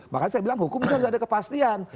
makanya saya bilang hukumnya tidak ada kepastian